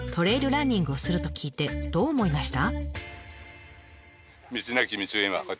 ランニングをすると聞いてどう思いました？